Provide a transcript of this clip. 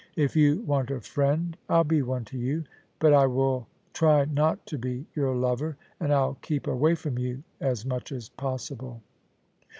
If you want a friend, Til be one to you ; but I will try not to be your lover, and I'll keep away from you as much as possible.'